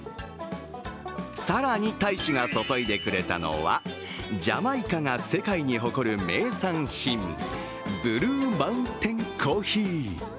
更に大使が注いでくれたのはジャマイカが世界に誇る名産品ブルーマウンテンコーヒー。